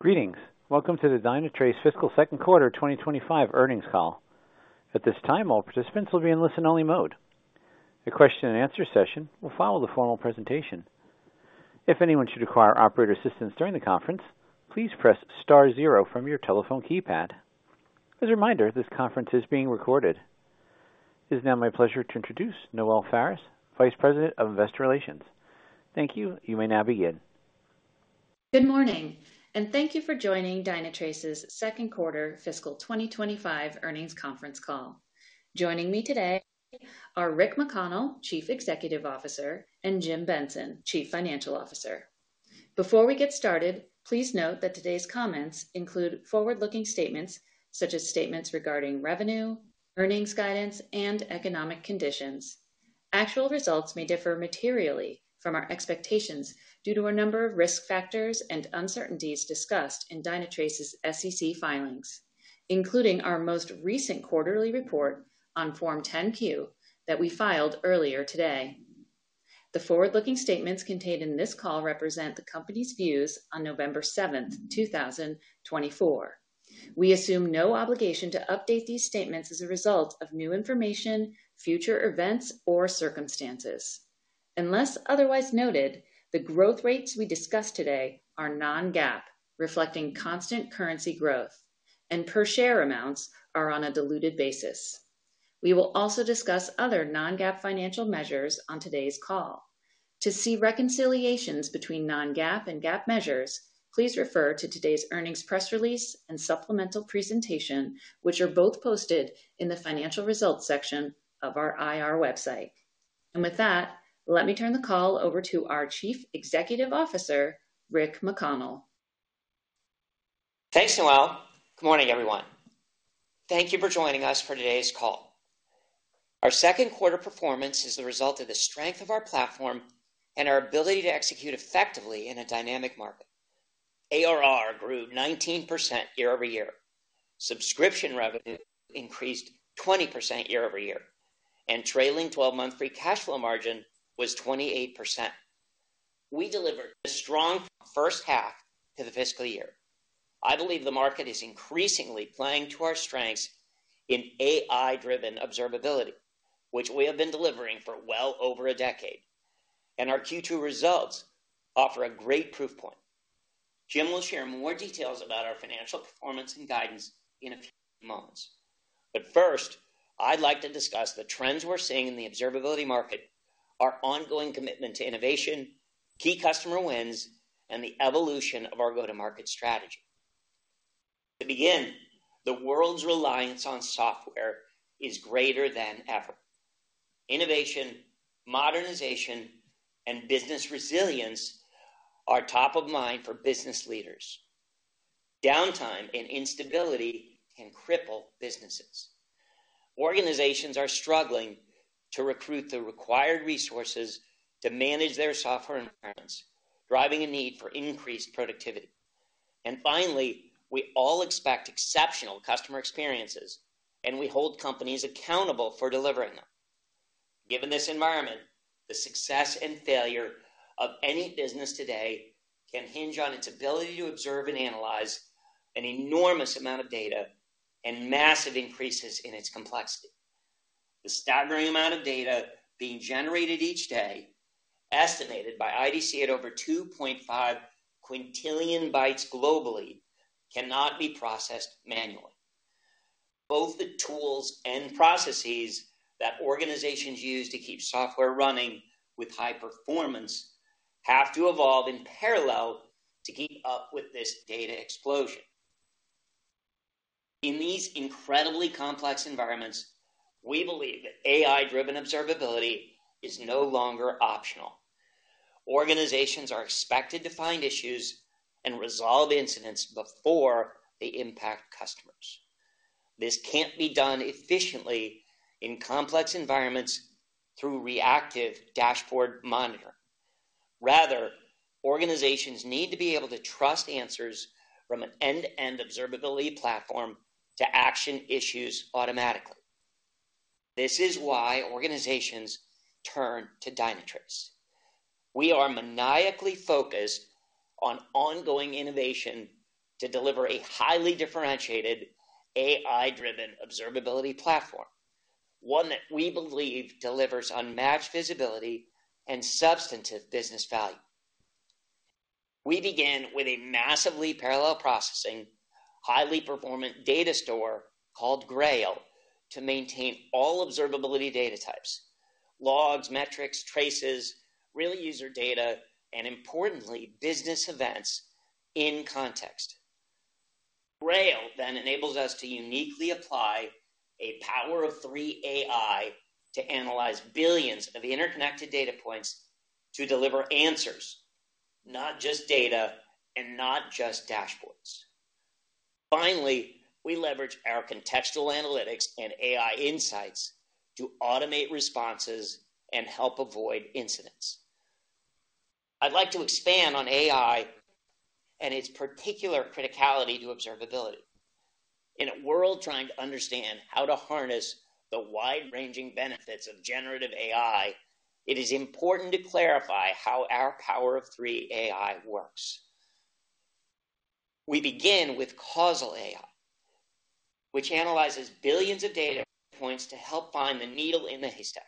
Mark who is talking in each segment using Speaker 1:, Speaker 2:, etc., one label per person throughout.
Speaker 1: Greetings. Welcome to the Dynatrace fiscal second quarter 2025 earnings call. At this time, all participants will be in listen-only mode. The question-and-answer session will follow the formal presentation. If anyone should require operator assistance during the conference, please press star zero from your telephone keypad. As a reminder, this conference is being recorded. It is now my pleasure to introduce Noelle Faris, Vice President of Investor Relations. Thank you. You may now begin.
Speaker 2: Good morning, and thank you for joining Dynatrace's second quarter fiscal 2025 earnings conference call. Joining me today are Rick McConnell, Chief Executive Officer, and Jim Benson, Chief Financial Officer. Before we get started, please note that today's comments include forward-looking statements such as statements regarding revenue, earnings guidance, and economic conditions. Actual results may differ materially from our expectations due to a number of risk factors and uncertainties discussed in Dynatrace's SEC filings, including our most recent quarterly report on Form 10-Q that we filed earlier today. The forward-looking statements contained in this call represent the company's views on November 7th, 2024. We assume no obligation to update these statements as a result of new information, future events, or circumstances. Unless otherwise noted, the growth rates we discuss today are non-GAAP, reflecting constant currency growth, and per-share amounts are on a diluted basis. We will also discuss other non-GAAP financial measures on today's call. To see reconciliations between non-GAAP and GAAP measures, please refer to today's earnings press release and supplemental presentation, which are both posted in the financial results section of our IR website. And with that, let me turn the call over to our Chief Executive Officer, Rick McConnell.
Speaker 3: Thanks, Noelle. Good morning, everyone. Thank you for joining us for today's call. Our second quarter performance is the result of the strength of our platform and our ability to execute effectively in a dynamic market. ARR grew 19% year over year. Subscription revenue increased 20% year over year, and trailing 12-month free cash flow margin was 28%. We delivered a strong first half to the fiscal year. I believe the market is increasingly playing to our strengths in AI-driven observability, which we have been delivering for well over a decade, and our Q2 results offer a great proof point. Jim will share more details about our financial performance and guidance in a few moments. But first, I'd like to discuss the trends we're seeing in the observability market, our ongoing commitment to innovation, key customer wins, and the evolution of our go-to-market strategy. To begin, the world's reliance on software is greater than ever. Innovation, modernization, and business resilience are top of mind for business leaders. Downtime and instability can cripple businesses. Organizations are struggling to recruit the required resources to manage their software environments, driving a need for increased productivity. And finally, we all expect exceptional customer experiences, and we hold companies accountable for delivering them. Given this environment, the success and failure of any business today can hinge on its ability to observe and analyze an enormous amount of data and massive increases in its complexity. The staggering amount of data being generated each day, estimated by IDC at over 2.5 quintillion bytes globally, cannot be processed manually. Both the tools and processes that organizations use to keep software running with high performance have to evolve in parallel to keep up with this data explosion. In these incredibly complex environments, we believe that AI-driven observability is no longer optional. Organizations are expected to find issues and resolve incidents before they impact customers. This can't be done efficiently in complex environments through reactive dashboard monitoring. Rather, organizations need to be able to trust answers from an end-to-end observability platform to action issues automatically. This is why organizations turn to Dynatrace. We are maniacally focused on ongoing innovation to deliver a highly differentiated AI-driven observability platform, one that we believe delivers unmatched visibility and substantive business value. We begin with a massively parallel processing, highly performant data store called Grail to maintain all observability data types: logs, metrics, traces, real user data, and importantly, business events in context. Grail then enables us to uniquely apply a Power of Three AI to analyze billions of interconnected data points to deliver answers, not just data and not just dashboards. Finally, we leverage our contextual analytics and AI insights to automate responses and help avoid incidents. I'd like to expand on AI and its particular criticality to observability. In a world trying to understand how to harness the wide-ranging benefits of generative AI, it is important to clarify how our power of three AI works. We begin with causal AI, which analyzes billions of data points to help find the needle in the haystack.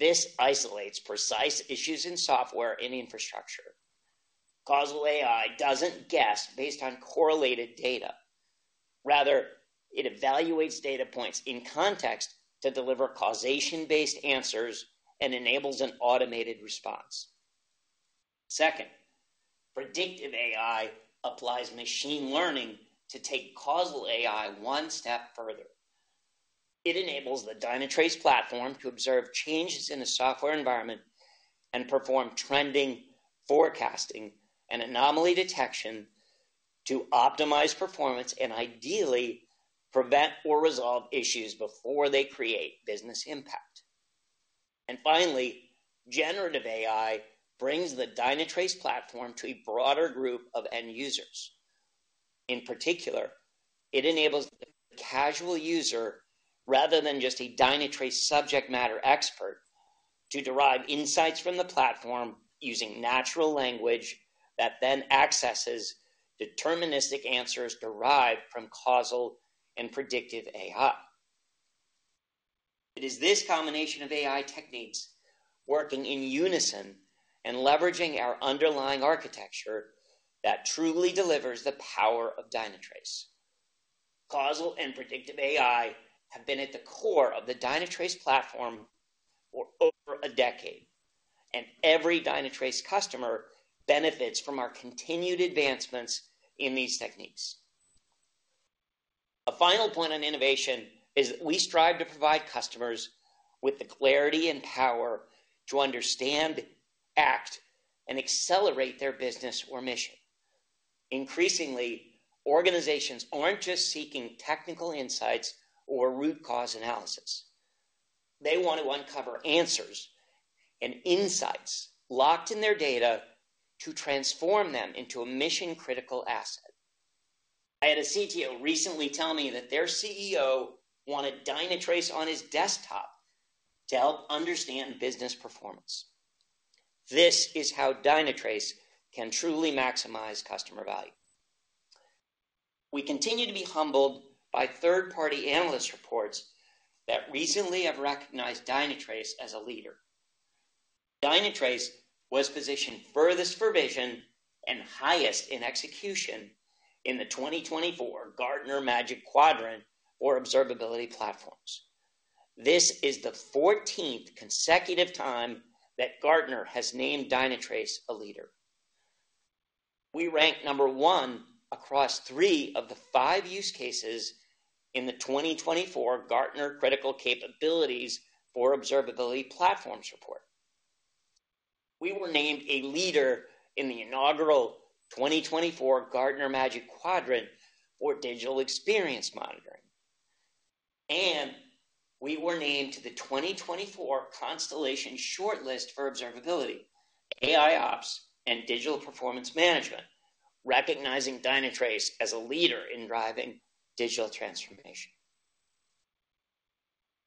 Speaker 3: This isolates precise issues in software and infrastructure. Causal AI doesn't guess based on correlated data. Rather, it evaluates data points in context to deliver causation-based answers and enables an automated response. Second, predictive AI applies machine learning to take causal AI one step further. It enables the Dynatrace platform to observe changes in the software environment and perform trending forecasting and anomaly detection to optimize performance and ideally prevent or resolve issues before they create business impact, and finally, generative AI brings the Dynatrace platform to a broader group of end users. In particular, it enables the casual user, rather than just a Dynatrace subject matter expert, to derive insights from the platform using natural language that then accesses deterministic answers derived from causal and predictive AI. It is this combination of AI techniques working in unison and leveraging our underlying architecture that truly delivers the power of Dynatrace. Causal and predictive AI have been at the core of the Dynatrace platform for over a decade, and every Dynatrace customer benefits from our continued advancements in these techniques. A final point on innovation is that we strive to provide customers with the clarity and power to understand, act, and accelerate their business or mission. Increasingly, organizations aren't just seeking technical insights or root cause analysis. They want to uncover answers and insights locked in their data to transform them into a mission-critical asset. I had a CTO recently tell me that their CEO wanted Dynatrace on his desktop to help understand business performance. This is how Dynatrace can truly maximize customer value. We continue to be humbled by third-party analyst reports that recently have recognized Dynatrace as a leader. Dynatrace was positioned furthest for vision and highest in execution in the 2024 Gartner Magic Quadrant for Observability Platforms. This is the 14th consecutive time that Gartner has named Dynatrace a leader. We ranked number one across three of the five use cases in the 2024 Gartner Critical Capabilities for Observability Platforms report. We were named a leader in the inaugural 2024 Gartner Magic Quadrant for Digital Experience Monitoring, and we were named to the 2024 Constellation Shortlist for Observability, AIOps, and Digital Performance Management, recognizing Dynatrace as a leader in driving digital transformation.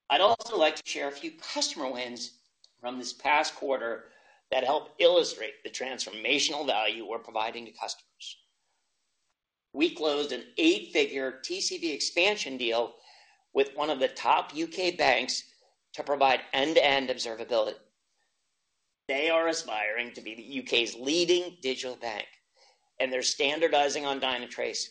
Speaker 3: I'd also like to share a few customer wins from this past quarter that help illustrate the transformational value we're providing to customers. We closed an eight-figure TCV expansion deal with one of the top U.K. banks to provide end-to-end observability. They are aspiring to be the U.K.'s leading digital bank, and they're standardizing on Dynatrace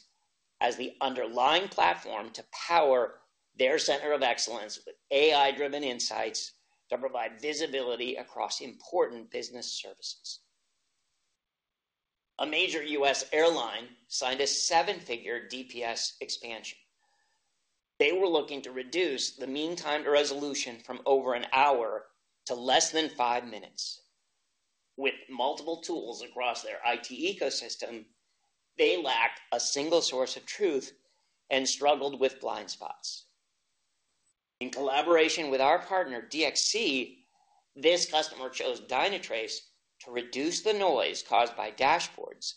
Speaker 3: as the underlying platform to power their center of excellence with AI-driven insights to provide visibility across important business services. A major U.S. airline signed a seven-figure DPS expansion. They were looking to reduce the mean time to resolution from over an hour to less than five minutes. With multiple tools across their IT ecosystem, they lacked a single source of truth and struggled with blind spots. In collaboration with our partner, DXC, this customer chose Dynatrace to reduce the noise caused by dashboards,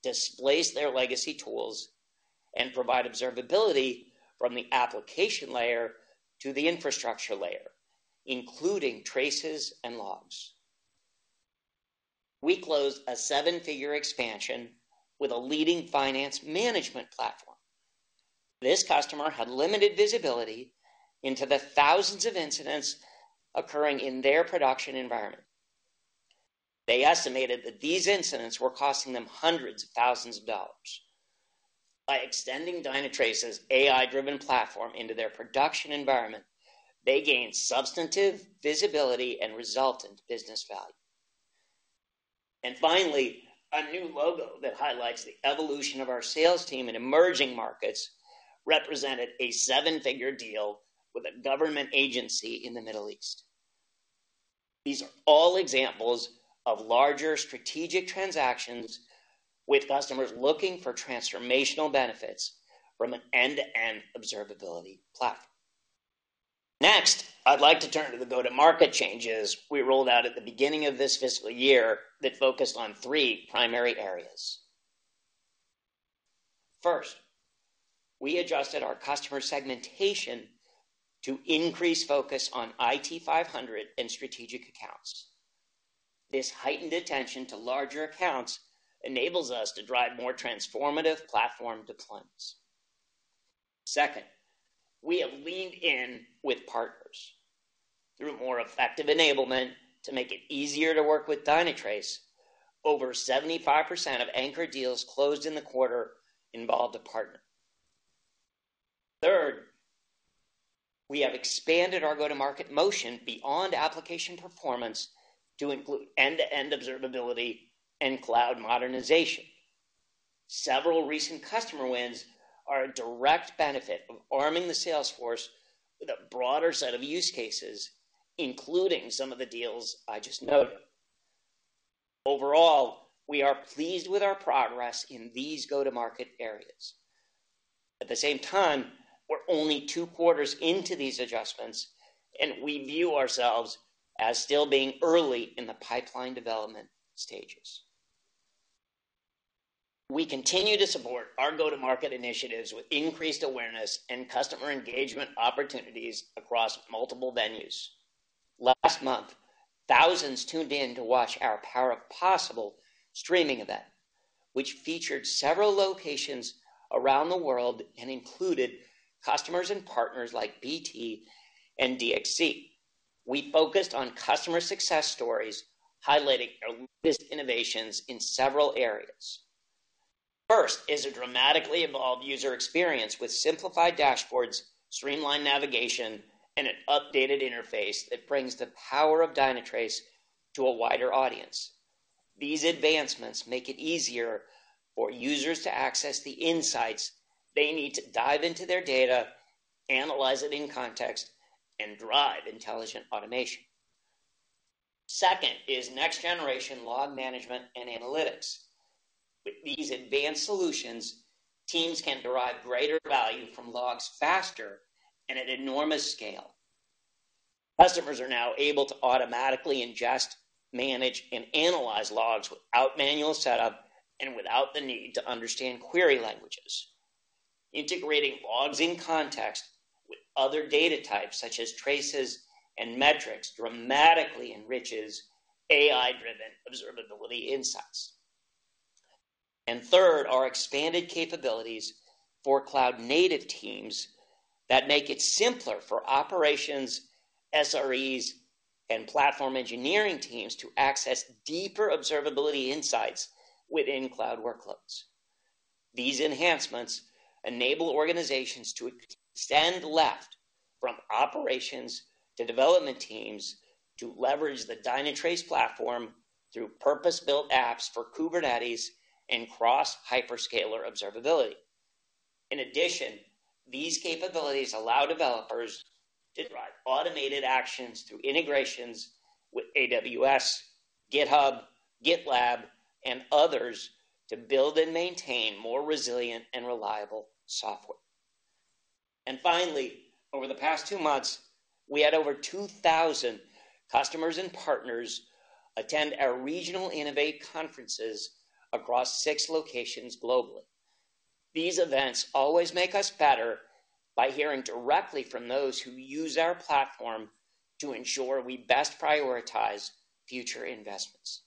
Speaker 3: displace their legacy tools, and provide observability from the application layer to the infrastructure layer, including traces and logs. We closed a seven-figure expansion with a leading finance management platform. This customer had limited visibility into the thousands of incidents occurring in their production environment. They estimated that these incidents were costing them hundreds of thousands of dollars. By extending Dynatrace's AI-driven platform into their production environment, they gained substantive visibility and resultant business value. Finally, a new logo that highlights the evolution of our sales team in emerging markets represented a seven-figure deal with a government agency in the Middle East. These are all examples of larger strategic transactions with customers looking for transformational benefits from an end-to-end observability platform. Next, I'd like to turn to the go-to-market changes we rolled out at the beginning of this fiscal year that focused on three primary areas. First, we adjusted our customer segmentation to increase focus on IT 500 and strategic accounts. This heightened attention to larger accounts enables us to drive more transformative platform deployments. Second, we have leaned in with partners through more effective enablement to make it easier to work with Dynatrace. Over 75% of anchor deals closed in the quarter involved a partner. Third, we have expanded our go-to-market motion beyond application performance to include end-to-end observability and cloud modernization. Several recent customer wins are a direct benefit of arming the salesforce with a broader set of use cases, including some of the deals I just noted. Overall, we are pleased with our progress in these go-to-market areas. At the same time, we're only two quarters into these adjustments, and we view ourselves as still being early in the pipeline development stages. We continue to support our go-to-market initiatives with increased awareness and customer engagement opportunities across multiple venues. Last month, thousands tuned in to watch our Power of Possible streaming event, which featured several locations around the world and included customers and partners like BT and DXC. We focused on customer success stories highlighting our latest innovations in several areas. First is a dramatically evolved user experience with simplified dashboards, streamlined navigation, and an updated interface that brings the power of Dynatrace to a wider audience. These advancements make it easier for users to access the insights they need to dive into their data, analyze it in context, and drive intelligent automation. Second is next-generation log management and analytics. With these advanced solutions, teams can derive greater value from logs faster and at enormous scale. Customers are now able to automatically ingest, manage, and analyze logs without manual setup and without the need to understand query languages. Integrating logs in context with other data types, such as traces and metrics, dramatically enriches AI-driven observability insights. And third are expanded capabilities for cloud-native teams that make it simpler for operations, SREs, and platform engineering teams to access deeper observability insights within cloud workloads. These enhancements enable organizations to shift left from operations to development teams to leverage the Dynatrace platform through purpose-built apps for Kubernetes and cross-hyperscaler observability. In addition, these capabilities allow developers to drive automated actions through integrations with AWS, GitHub, GitLab, and others to build and maintain more resilient and reliable software, and finally, over the past two months, we had over 2,000 customers and partners attend our regional Innovate conferences across six locations globally. These events always make us better by hearing directly from those who use our platform to ensure we best prioritize future investments.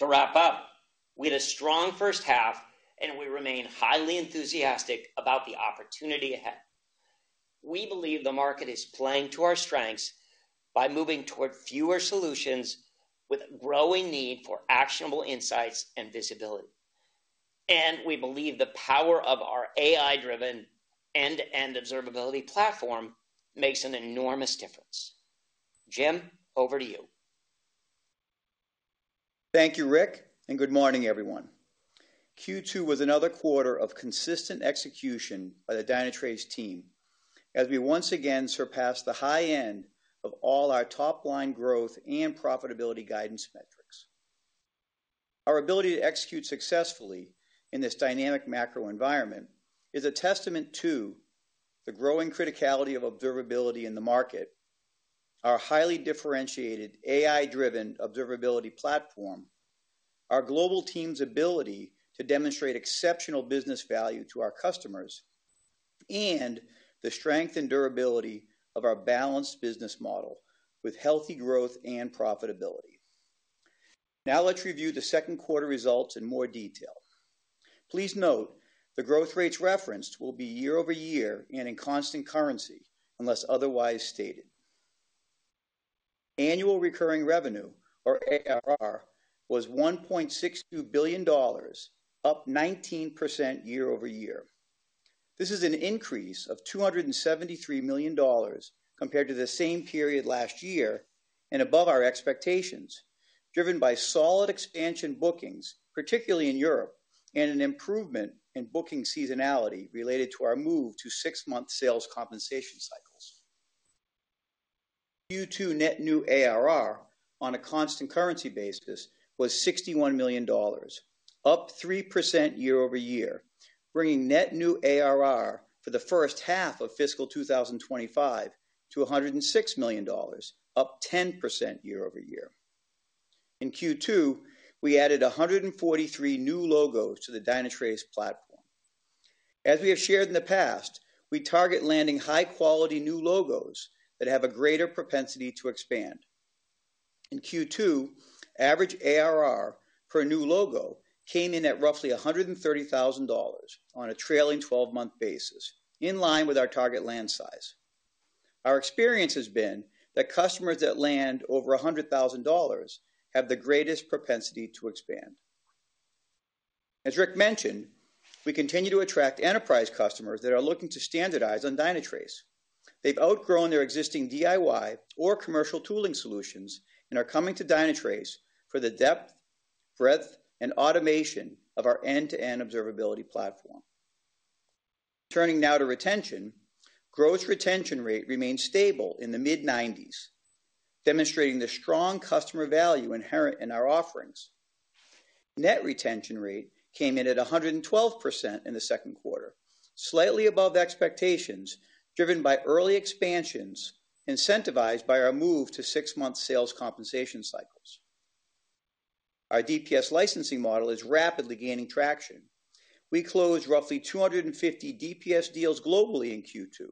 Speaker 3: To wrap up, we had a strong first half, and we remain highly enthusiastic about the opportunity ahead. We believe the market is playing to our strengths by moving toward fewer solutions with a growing need for actionable insights and visibility, and we believe the power of our AI-driven end-to-end observability platform makes an enormous difference. Jim, over to you.
Speaker 4: Thank you, Rick, and good morning, everyone. Q2 was another quarter of consistent execution by the Dynatrace team as we once again surpassed the high end of all our top-line growth and profitability guidance metrics. Our ability to execute successfully in this dynamic macro environment is a testament to the growing criticality of observability in the market, our highly differentiated AI-driven observability platform, our global team's ability to demonstrate exceptional business value to our customers, and the strength and durability of our balanced business model with healthy growth and profitability. Now let's review the second quarter results in more detail. Please note the growth rates referenced will be year-over-year and in constant currency unless otherwise stated. Annual recurring revenue, or ARR, was $1.62 billion, up 19% year-over-year. This is an increase of $273 million compared to the same period last year and above our expectations, driven by solid expansion bookings, particularly in Europe, and an improvement in booking seasonality related to our move to six-month sales compensation cycles. Q2 net new ARR on a constant currency basis was $61 million, up 3% year-over-year, bringing net new ARR for the first half of fiscal 2025 to $106 million, up 10% year-over-year. In Q2, we added 143 new logos to the Dynatrace platform. As we have shared in the past, we target landing high-quality new logos that have a greater propensity to expand. In Q2, average ARR per new logo came in at roughly $130,000 on a trailing 12-month basis, in line with our target land size. Our experience has been that customers that land over $100,000 have the greatest propensity to expand. As Rick mentioned, we continue to attract enterprise customers that are looking to standardize on Dynatrace. They've outgrown their existing DIY or commercial tooling solutions and are coming to Dynatrace for the depth, breadth, and automation of our end-to-end observability platform. Turning now to retention, gross retention rate remained stable in the mid-90s, demonstrating the strong customer value inherent in our offerings. Net retention rate came in at 112% in the second quarter, slightly above expectations driven by early expansions incentivized by our move to six-month sales compensation cycles. Our DPS licensing model is rapidly gaining traction. We closed roughly 250 DPS deals globally in Q2.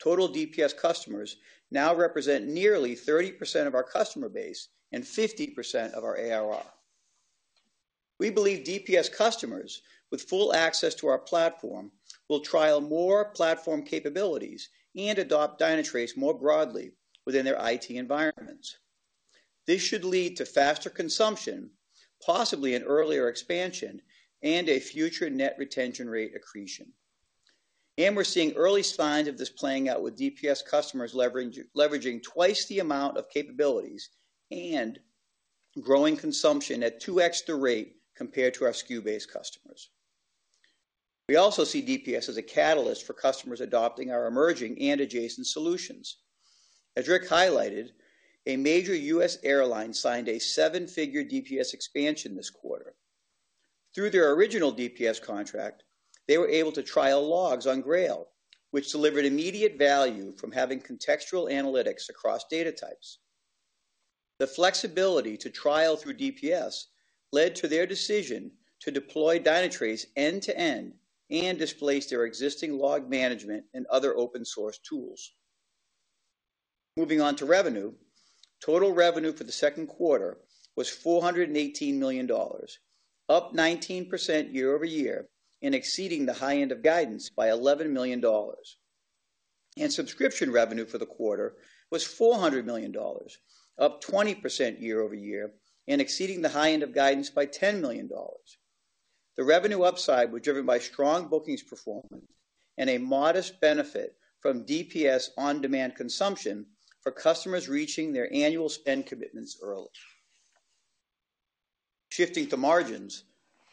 Speaker 4: Total DPS customers now represent nearly 30% of our customer base and 50% of our ARR. We believe DPS customers with full access to our platform will trial more platform capabilities and adopt Dynatrace more broadly within their IT environments. This should lead to faster consumption, possibly an earlier expansion, and a future net retention rate accretion. We're seeing early signs of this playing out with DPS customers leveraging twice the amount of capabilities and growing consumption at 2x rates compared to our SKU-based customers. We also see DPS as a catalyst for customers adopting our emerging and adjacent solutions. As Rick highlighted, a major U.S. airline signed a seven-figure DPS expansion this quarter. Through their original DPS contract, they were able to trial logs on Grail, which delivered immediate value from having contextual analytics across data types. The flexibility to trial through DPS led to their decision to deploy Dynatrace end-to-end and displace their existing log management and other open-source tools. Moving on to revenue, total revenue for the second quarter was $418 million, up 19% year-over-year and exceeding the high end of guidance by $11 million. Subscription revenue for the quarter was $400 million, up 20% year-over-year and exceeding the high end of guidance by $10 million. The revenue upside was driven by strong bookings performance and a modest benefit from DPS on-demand consumption for customers reaching their annual spend commitments early. Shifting to margins,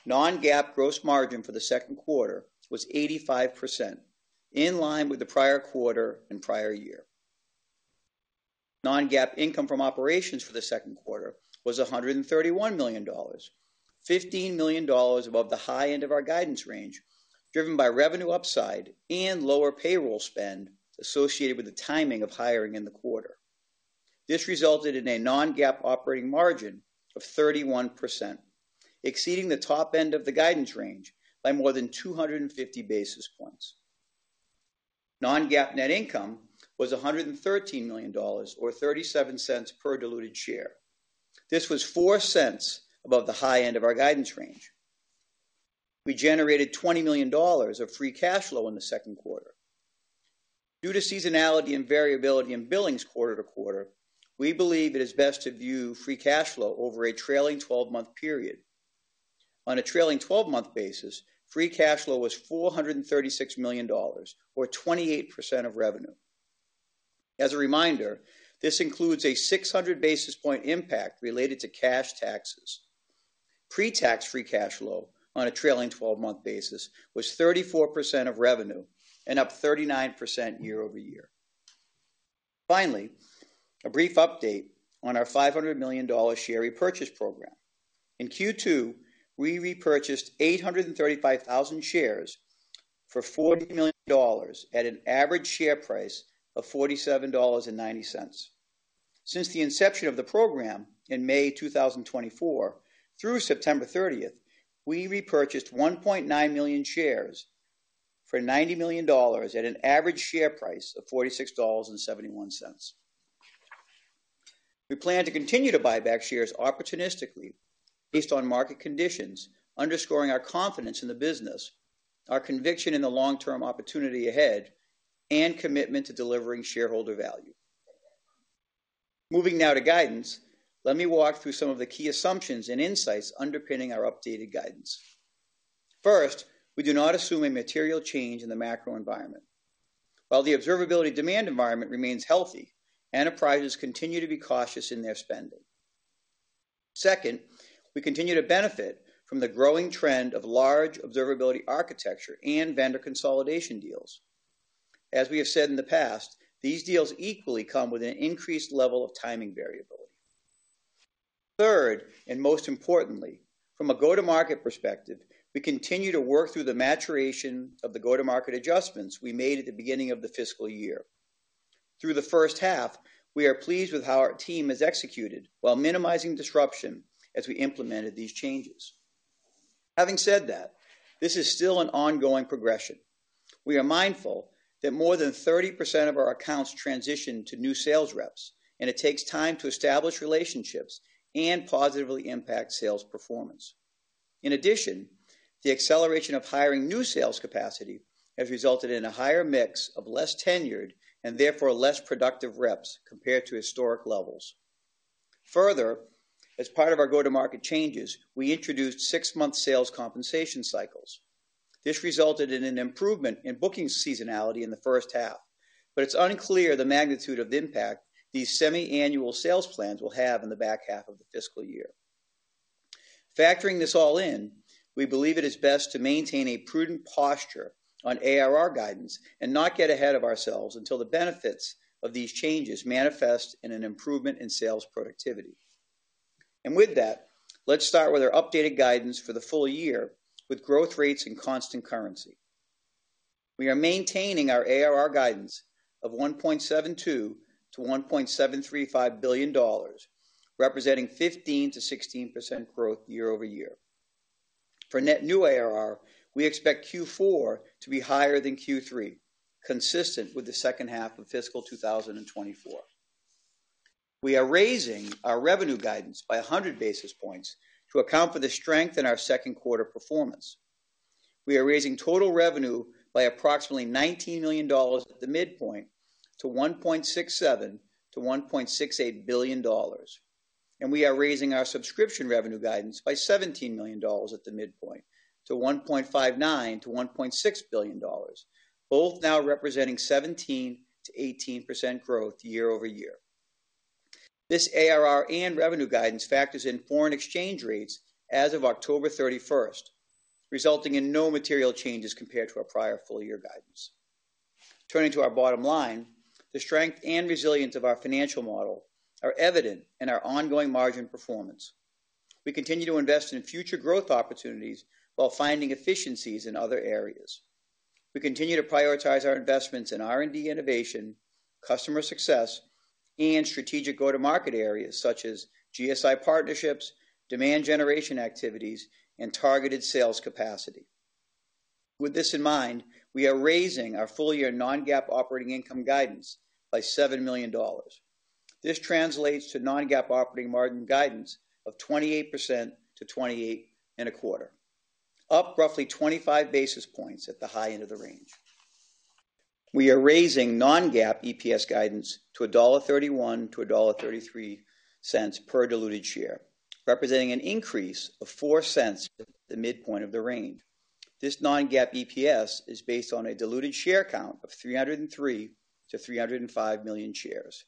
Speaker 4: non-GAAP gross margin for the second quarter was 85%, in line with the prior quarter and prior year. Non-GAAP income from operations for the second quarter was $131 million, $15 million above the high end of our guidance range, driven by revenue upside and lower payroll spend associated with the timing of hiring in the quarter. This resulted in a non-GAAP operating margin of 31%, exceeding the top end of the guidance range by more than 250 basis points. Non-GAAP net income was $113 million, or $0.37 per diluted share. This was $0.04 above the high end of our guidance range. We generated $20 million of free cash flow in the second quarter. Due to seasonality and variability in billings quarter to quarter, we believe it is best to view free cash flow over a trailing 12-month period. On a trailing 12-month basis, free cash flow was $436 million, or 28% of revenue. As a reminder, this includes a 600 basis point impact related to cash taxes. Pre-tax free cash flow on a trailing 12-month basis was 34% of revenue and up 39% year-over-year. Finally, a brief update on our $500 million share repurchase program. In Q2, we repurchased 835,000 shares for $40 million at an average share price of $47.90. Since the inception of the program in May 2024 through September 30, we repurchased 1.9 million shares for $90 million at an average share price of $46.71. We plan to continue to buy back shares opportunistically based on market conditions, underscoring our confidence in the business, our conviction in the long-term opportunity ahead, and commitment to delivering shareholder value. Moving now to guidance, let me walk through some of the key assumptions and insights underpinning our updated guidance. First, we do not assume a material change in the macro environment. While the observability demand environment remains healthy, enterprises continue to be cautious in their spending. Second, we continue to benefit from the growing trend of large observability architecture and vendor consolidation deals. As we have said in the past, these deals equally come with an increased level of timing variability. Third, and most importantly, from a go-to-market perspective, we continue to work through the maturation of the go-to-market adjustments we made at the beginning of the fiscal year. Through the first half, we are pleased with how our team has executed while minimizing disruption as we implemented these changes. Having said that, this is still an ongoing progression. We are mindful that more than 30% of our accounts transition to new sales reps, and it takes time to establish relationships and positively impact sales performance. In addition, the acceleration of hiring new sales capacity has resulted in a higher mix of less tenured and therefore less productive reps compared to historic levels. Further, as part of our go-to-market changes, we introduced six-month sales compensation cycles. This resulted in an improvement in booking seasonality in the first half, but it's unclear the magnitude of the impact these semi-annual sales plans will have in the back half of the fiscal year. Factoring this all in, we believe it is best to maintain a prudent posture on ARR guidance and not get ahead of ourselves until the benefits of these changes manifest in an improvement in sales productivity. And with that, let's start with our updated guidance for the full year with growth rates in constant currency. We are maintaining our ARR guidance of $1.72-$1.735 billion, representing 15%-16% growth year-over-year. For net new ARR, we expect Q4 to be higher than Q3, consistent with the second half of fiscal 2024. We are raising our revenue guidance by 100 basis points to account for the strength in our second quarter performance. We are raising total revenue by approximately $19 million at the midpoint to $1.67-$1.68 billion. And we are raising our subscription revenue guidance by $17 million at the midpoint to $1.59-$1.6 billion, both now representing 17%-18% growth year-over-year. This ARR and revenue guidance factors in foreign exchange rates as of October 31, resulting in no material changes compared to our prior full-year guidance. Turning to our bottom line, the strength and resilience of our financial model are evident in our ongoing margin performance. We continue to invest in future growth opportunities while finding efficiencies in other areas. We continue to prioritize our investments in R&D innovation, customer success, and strategic go-to-market areas such as GSI partnerships, demand generation activities, and targeted sales capacity. With this in mind, we are raising our full-year non-GAAP operating income guidance by $7 million. This translates to non-GAAP operating margin guidance of 28%-28.25%, up roughly 25 basis points at the high end of the range. We are raising non-GAAP EPS guidance to $1.31-$1.33 per diluted share, representing an increase of $0.04 at the midpoint of the range. This non-GAAP EPS is based on a diluted share count of 303-305 million shares.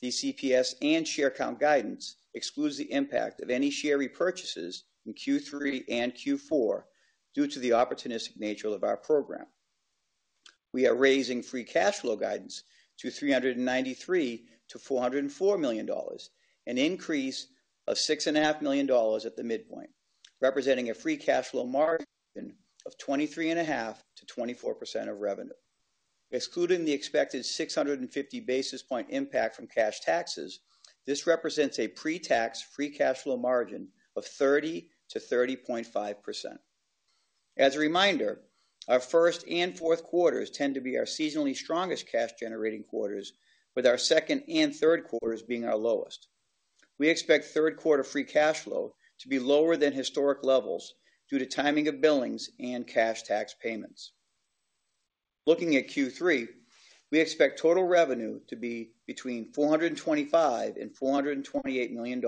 Speaker 4: These EPS and share count guidance excludes the impact of any share repurchases in Q3 and Q4 due to the opportunistic nature of our program. We are raising free cash flow guidance to $393-$404 million, an increase of $6.5 million at the midpoint, representing a free cash flow margin of 23.5%-24% of revenue. Excluding the expected 650 basis point impact from cash taxes, this represents a pre-tax free cash flow margin of 30%-30.5%. As a reminder, our first and fourth quarters tend to be our seasonally strongest cash-generating quarters, with our second and third quarters being our lowest. We expect third quarter free cash flow to be lower than historic levels due to timing of billings and cash tax payments. Looking at Q3, we expect total revenue to be between $425 and $428 million.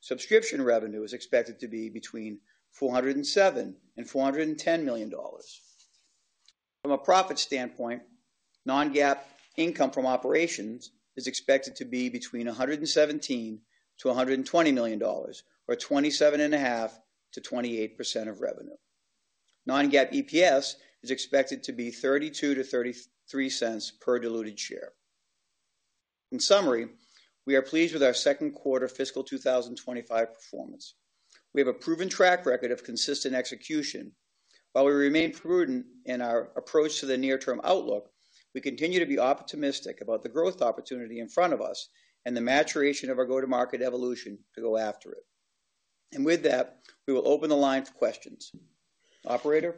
Speaker 4: Subscription revenue is expected to be between $407 and $410 million. From a profit standpoint, Non-GAAP income from operations is expected to be between $117 to $120 million, or 27.5% to 28% of revenue. Non-GAAP EPS is expected to be $0.32 to $0.33 per diluted share. In summary, we are pleased with our second quarter fiscal 2025 performance. We have a proven track record of consistent execution. While we remain prudent in our approach to the near-term outlook, we continue to be optimistic about the growth opportunity in front of us and the maturation of our go-to-market evolution to go after it. And with that, we will open the line for questions. Operator?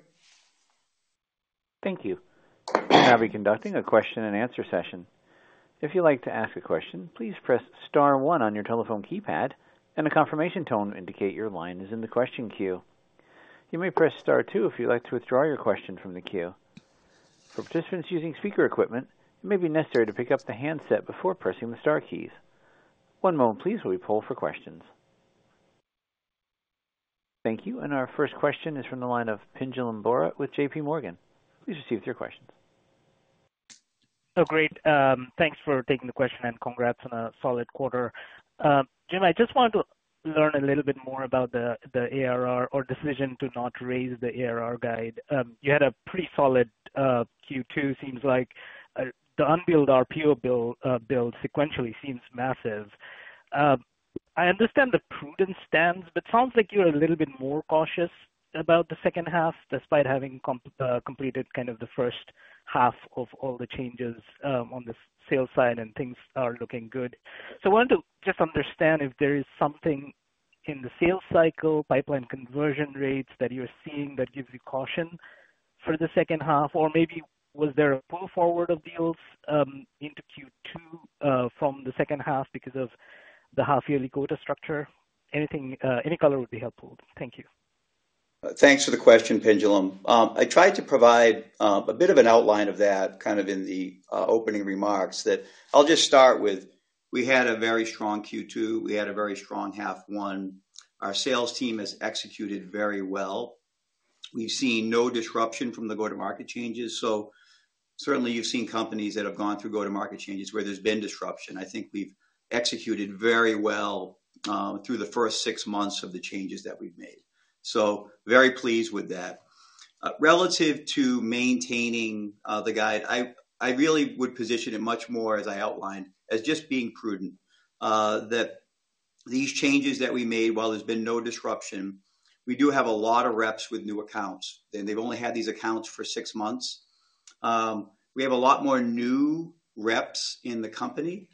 Speaker 1: Thank you. Now conducting a question and answer session. If you'd like to ask a question, please press Star 1 on your telephone keypad, and a confirmation tone will indicate your line is in the question queue. You may press Star 2 if you'd like to withdraw your question from the queue. For participants using speaker equipment, it may be necessary to pick up the handset before pressing the Star keys. One moment, please, while we poll for questions. Thank you. And our first question is from the line of Pinjalim Bora with J.P. Morgan. Please proceed with your questions.
Speaker 5: Oh, great. Thanks for taking the question and congrats on a solid quarter. Jim, I just want to learn a little bit more about the ARR or decision to not raise the ARR guide. You had a pretty solid Q2, seems like. The unbilled RPO build sequentially seems massive. I understand the prudent stance, but it sounds like you're a little bit more cautious about the second half, despite having completed kind of the first half of all the changes on the sales side, and things are looking good. So I wanted to just understand if there is something in the sales cycle, pipeline conversion rates that you're seeing that gives you caution for the second half, or maybe was there a pull forward of deals into Q2 from the second half because of the half-yearly quota structure? Any color would be helpful. Thank you.
Speaker 4: Thanks for the question, Pinjalim. I tried to provide a bit of an outline of that kind of in the opening remarks that I'll just start with. We had a very strong Q2. We had a very strong half one. Our sales team has executed very well. We've seen no disruption from the go-to-market changes, so certainly, you've seen companies that have gone through go-to-market changes where there's been disruption. I think we've executed very well through the first six months of the changes that we've made, so very pleased with that. Relative to maintaining the guide, I really would position it much more, as I outlined, as just being prudent that these changes that we made, while there's been no disruption, we do have a lot of reps with new accounts, and they've only had these accounts for six months. We have a lot more new reps in the company.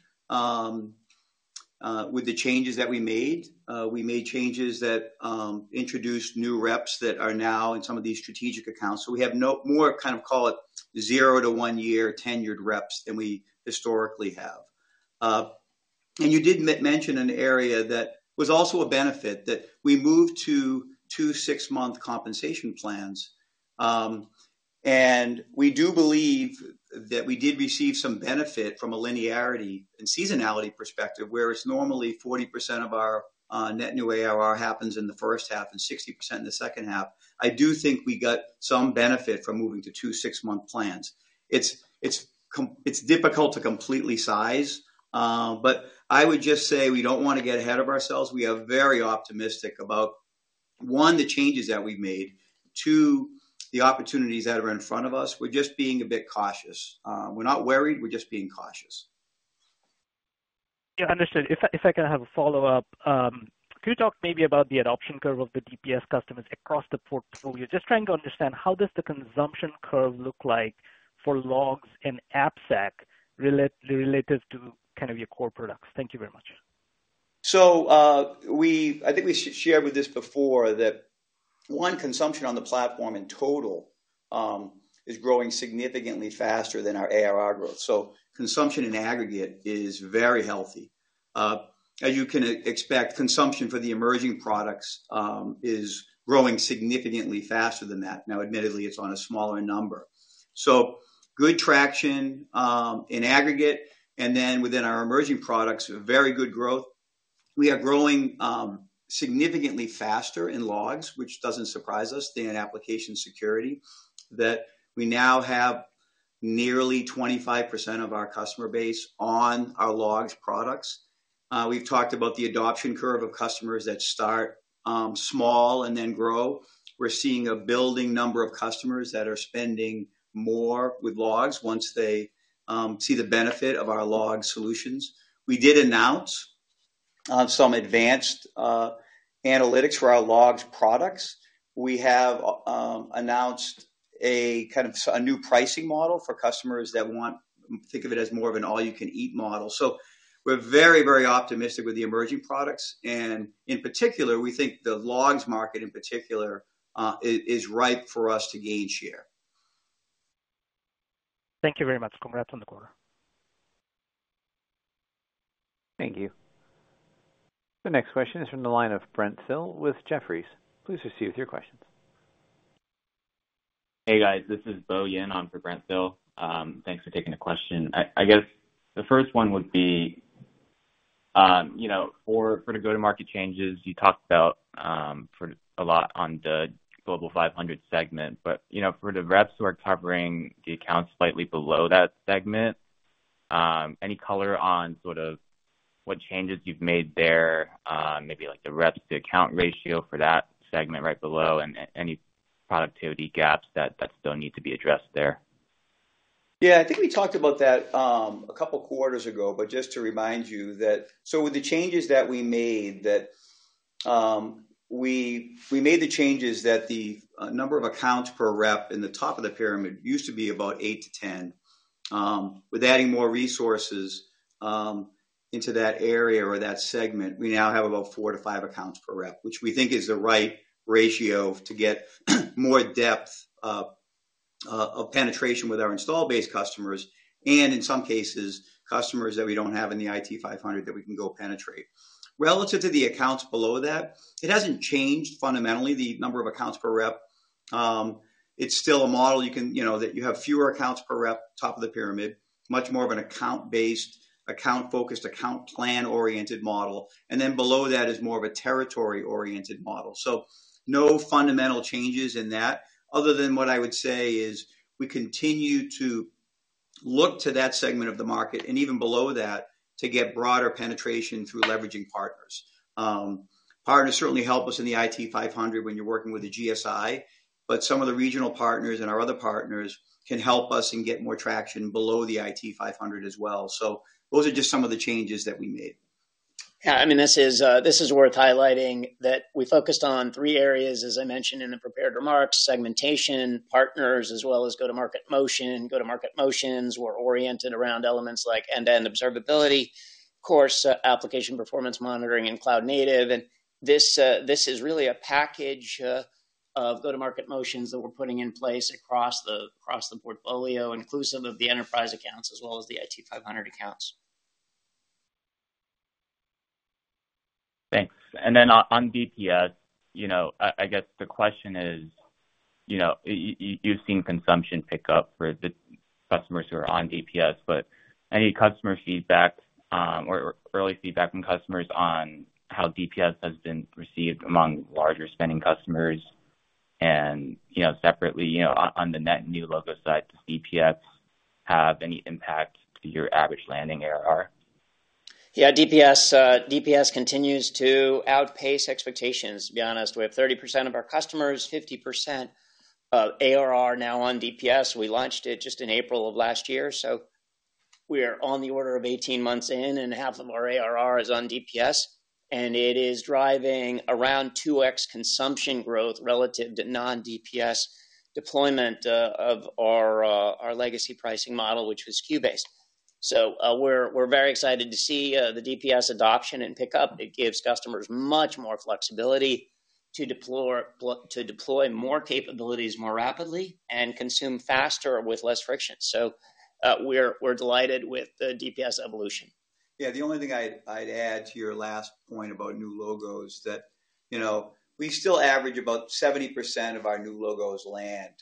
Speaker 4: With the changes that we made, we made changes that introduced new reps that are now in some of these strategic accounts. So we have more kind of, call it, zero to one-year tenured reps than we historically have. And you did mention an area that was also a benefit that we moved to two six-month compensation plans. And we do believe that we did receive some benefit from a linearity and seasonality perspective, whereas normally 40% of our net new ARR happens in the first half and 60% in the second half. I do think we got some benefit from moving to two six-month plans. It's difficult to completely size, but I would just say we don't want to get ahead of ourselves. We are very optimistic about, one, the changes that we've made, two, the opportunities that are in front of us. We're just being a bit cautious. We're not worried. We're just being cautious.
Speaker 5: Yeah, understood. If I can have a follow-up, could you talk maybe about the adoption curve of the DPS customers across the portfolio? Just trying to understand how does the consumption curve look like for logs and AppSec relative to kind of your core products? Thank you very much.
Speaker 4: So I think we shared this with you before that, one, consumption on the platform in total is growing significantly faster than our ARR growth. So consumption in aggregate is very healthy. As you can expect, consumption for the emerging products is growing significantly faster than that. Now, admittedly, it's on a smaller number. So good traction in aggregate. And then within our emerging products, very good growth. We are growing significantly faster in logs, which doesn't surprise us, and application security, that we now have nearly 25% of our customer base on our logs products. We've talked about the adoption curve of customers that start small and then grow. We're seeing a growing number of customers that are spending more with logs once they see the benefit of our log solutions. We did announce some advanced analytics for our logs products. We have announced a kind of a new pricing model for customers that want, think of it as more of an all-you-can-eat model. So we're very, very optimistic with the emerging products. And in particular, we think the logs market in particular is ripe for us to gain share.
Speaker 5: Thank you very much. Congrats on the quarter.
Speaker 4: Thank you.
Speaker 1: The next question is from the line of Brent Thill with Jefferies. Please proceed with your questions.
Speaker 6: Hey, guys. This is Bo Yin on for Brent Thill. Thanks for taking the question. I guess the first one would be, for the go-to-market changes, you talked about a lot on the Global 500 segment. But for the reps who are covering the accounts slightly below that segment, any color on sort of what changes you've made there, maybe the reps-to-account ratio for that segment right below, and any productivity gaps that still need to be addressed there?
Speaker 4: Yeah. I think we talked about that a couple of quarters ago, but just to remind you that, so with the changes that we made, the number of accounts per rep in the top of the pyramid used to be about eight to 10. With adding more resources into that area or that segment, we now have about four to five accounts per rep, which we think is the right ratio to get more depth of penetration with our install-based customers and, in some cases, customers that we don't have in the IT 500 that we can go penetrate. Relative to the accounts below that, it hasn't changed fundamentally, the number of accounts per rep. It's still a model that you have fewer accounts per rep top of the pyramid, much more of an account-based, account-focused, account-plan-oriented model. And then below that is more of a territory-oriented model. So no fundamental changes in that, other than what I would say is we continue to look to that segment of the market and even below that to get broader penetration through leveraging partners. Partners certainly help us in the IT 500 when you're working with the GSI, but some of the regional partners and our other partners can help us and get more traction below the IT 500 as well. So those are just some of the changes that we made.
Speaker 3: Yeah. I mean, this is worth highlighting that we focused on three areas, as I mentioned in the prepared remarks: segmentation, partners, as well as go-to-market motion. Go-to-market motions were oriented around elements like end-to-end observability, of course, application performance monitoring, and cloud native. And this is really a package of go-to-market motions that we're putting in place across the portfolio, inclusive of the enterprise accounts as well as the IT 500 accounts.
Speaker 6: Thanks. And then on DPS, I guess the question is you've seen consumption pick up for the customers who are on DPS, but any customer feedback or early feedback from customers on how DPS has been received among larger spending customers? And separately, on the net new logo side, does DPS have any impact to your average landing ARR?
Speaker 3: Yeah. DPS continues to outpace expectations, to be honest. We have 30% of our customers, 50% of ARR now on DPS. We launched it just in April of last year. So we are on the order of 18 months in, and half of our ARR is on DPS. And it is driving around 2x consumption growth relative to non-DPS deployment of our legacy pricing model, which was SKU-based. So we're very excited to see the DPS adoption and pickup. It gives customers much more flexibility to deploy more capabilities more rapidly and consume faster with less friction. So we're delighted with the DPS evolution.
Speaker 4: Yeah. The only thing I'd add to your last point about new logos is that we still average about 70% of our new logos land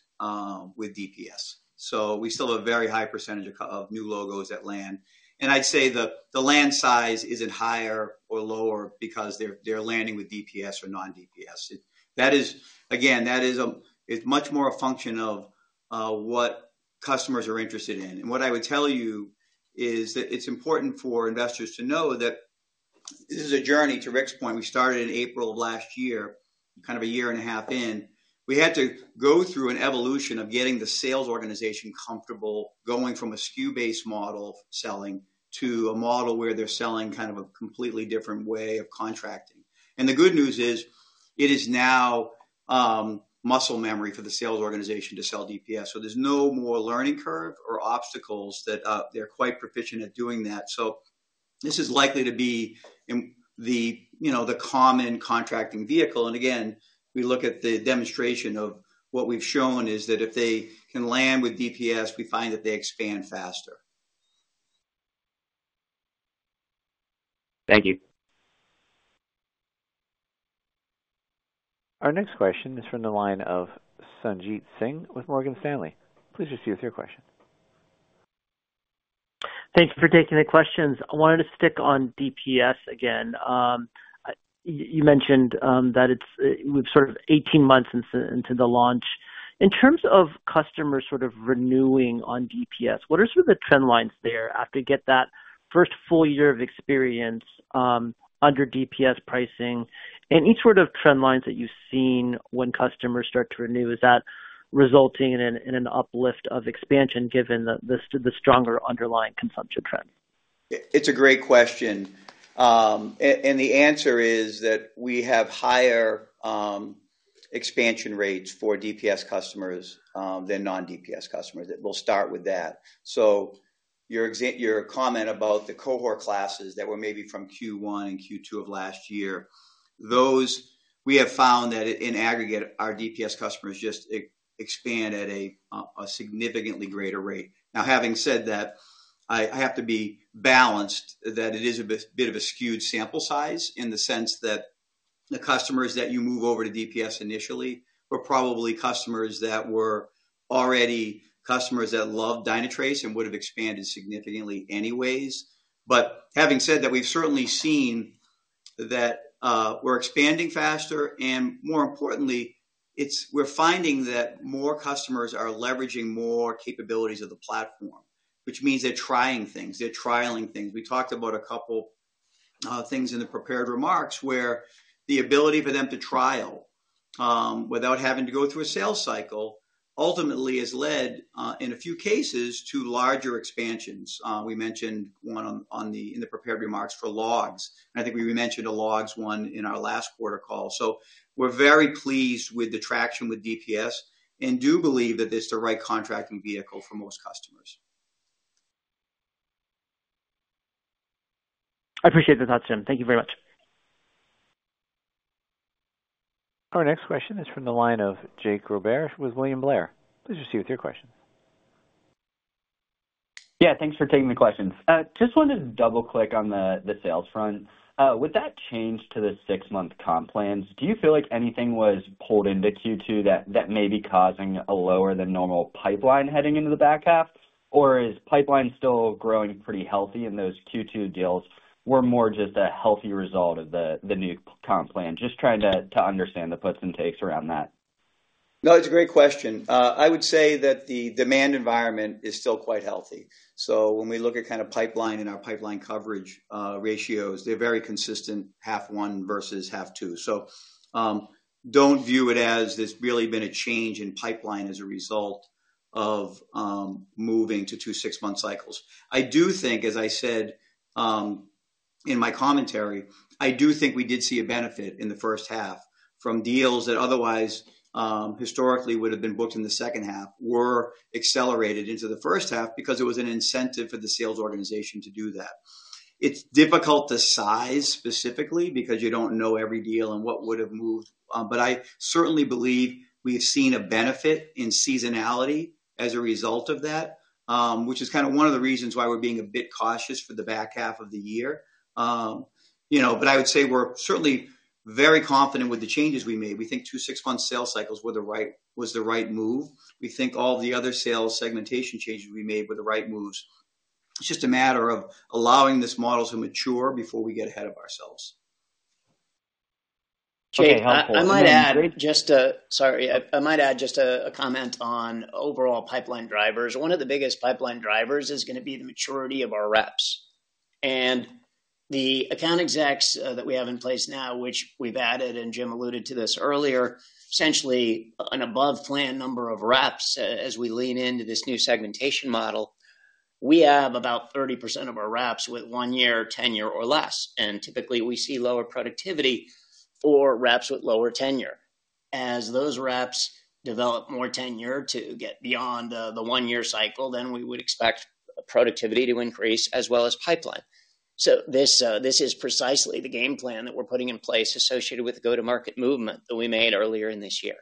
Speaker 4: with DPS. So we still have a very high percentage of new logos that land. And I'd say the land size isn't higher or lower because they're landing with DPS or non-DPS. Again, that is much more a function of what customers are interested in. And what I would tell you is that it's important for investors to know that this is a journey. To Rick's point, we started in April of last year, kind of a year and a half in. We had to go through an evolution of getting the sales organization comfortable going from a SKU-based model selling to a model where they're selling kind of a completely different way of contracting. And the good news is it is now muscle memory for the sales organization to sell DPS. So there's no more learning curve or obstacles that they're quite proficient at doing that. So this is likely to be the common contracting vehicle. And again, we look at the demonstration of what we've shown is that if they can land with DPS, we find that they expand faster.
Speaker 6: Thank you.
Speaker 1: Our next question is from the line of Sanjit Singh with Morgan Stanley. Please proceed with your question.
Speaker 7: Thank you for taking the questions. I wanted to stick on DPS again. You mentioned that we've sort of 18 months into the launch. In terms of customers sort of renewing on DPS, what are sort of the trend lines there after you get that first full year of experience under DPS pricing? And each sort of trend lines that you've seen when customers start to renew, is that resulting in an uplift of expansion given the stronger underlying consumption trend?
Speaker 4: It's a great question, and the answer is that we have higher expansion rates for DPS customers than non-DPS customers. We'll start with that. So your comment about the cohort classes that were maybe from Q1 and Q2 of last year, those we have found that in aggregate, our DPS customers just expand at a significantly greater rate. Now, having said that, I have to be balanced that it is a bit of a skewed sample size in the sense that the customers that you move over to DPS initially were probably customers that were already customers that loved Dynatrace and would have expanded significantly anyways. But having said that, we've certainly seen that we're expanding faster. And more importantly, we're finding that more customers are leveraging more capabilities of the platform, which means they're trying things. They're trialing things. We talked about a couple of things in the prepared remarks where the ability for them to trial without having to go through a sales cycle ultimately has led, in a few cases, to larger expansions. We mentioned one in the prepared remarks for logs. And I think we mentioned a logs one in our last quarter call. So we're very pleased with the traction with DPS and do believe that it's the right contracting vehicle for most customers.
Speaker 7: I appreciate the thoughts, Jim. Thank you very much.
Speaker 1: Our next question is from the line of Jake Roberge with William Blair. Please proceed with your questions.
Speaker 8: Yeah. Thanks for taking the questions. Just wanted to double-click on the sales front. With that change to the six-month comp plans, do you feel like anything was pulled into Q2 that may be causing a lower-than-normal pipeline heading into the back half? Or is pipeline still growing pretty healthy and those Q2 deals were more just a healthy result of the new comp plan? Just trying to understand the puts and takes around that.
Speaker 4: No, it's a great question. I would say that the demand environment is still quite healthy. So when we look at kind of pipeline and our pipeline coverage ratios, they're very consistent, half one versus half two. So don't view it as there's really been a change in pipeline as a result of moving to two six-month cycles. I do think, as I said in my commentary, I do think we did see a benefit in the first half from deals that otherwise historically would have been booked in the second half were accelerated into the first half because it was an incentive for the sales organization to do that. It's difficult to size specifically because you don't know every deal and what would have moved. But I certainly believe we've seen a benefit in seasonality as a result of that, which is kind of one of the reasons why we're being a bit cautious for the back half of the year. But I would say we're certainly very confident with the changes we made. We think two six-month sales cycles was the right move. We think all the other sales segmentation changes we made were the right moves. It's just a matter of allowing this model to mature before we get ahead of ourselves.
Speaker 8: Okay.
Speaker 3: I might add just a comment on overall pipeline drivers. One of the biggest pipeline drivers is going to be the maturity of our reps. And the account execs that we have in place now, which we've added, and Jim alluded to this earlier, essentially an above plan number of reps. As we lean into this new segmentation model, we have about 30% of our reps with one year tenure or less. And typically, we see lower productivity for reps with lower tenure. As those reps develop more tenure to get beyond the one-year cycle, then we would expect productivity to increase as well as pipeline. So this is precisely the game plan that we're putting in place associated with the go-to-market movement that we made earlier in this year.